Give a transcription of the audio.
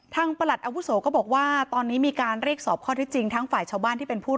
ท่างประลัติอวุศเขาบอกว่าตอนนี้มีการเรียกสอบข้อที่จริงทางแทนในตาม